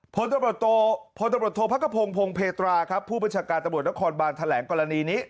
พธพระกระพงษ์โพงเพธราผู้บัญชาการตำรวจนครบานแถลงกรณีนี้